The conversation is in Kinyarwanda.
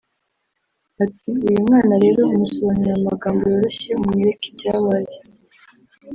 Ati “Uyu mwana rero umusobanurira mu magambo yoroshye umwereka ibyabaye